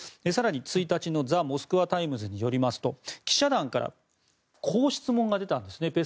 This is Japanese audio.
更に１日のザ・モスクワタイムズによりますと記者団からこう質問が出たんですね。